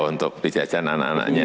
untuk dijajan anak anaknya